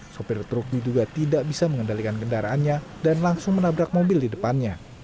sopir truk diduga tidak bisa mengendalikan kendaraannya dan langsung menabrak mobil di depannya